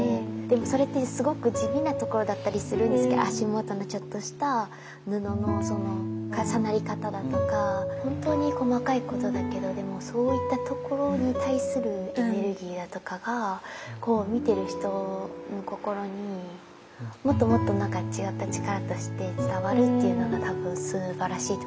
でもそれってすごく地味なところだったりするんですけど足元のちょっとした布の重なり方だとか本当に細かいことだけどでもそういったところに対するエネルギーだとかが見てる人の心にもっともっと何か違った力として伝わるっていうのが多分すばらしいところかなって思います。